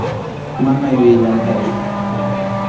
Mana yuyayllamantachu.